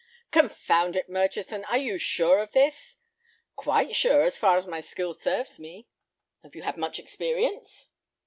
"Confound it, Murchison, are you sure of this?" "Quite sure, as far as my skill serves me." "Have you had much experience?"